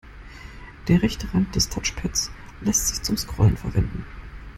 Der rechte Rand des Touchpads lässt sich zum Scrollen verwenden.